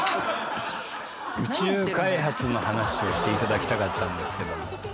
宇宙開発の話をしていただきたかったんですけども。